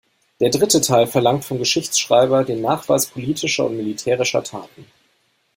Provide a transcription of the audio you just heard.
Der dritte Teil verlangt vom Geschichtsschreiber den Nachweis politischer und militärischer Taten.